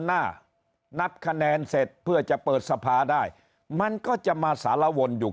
หน้านับคะแนนเสร็จเพื่อจะเปิดสภาได้มันก็จะมาสารวนอยู่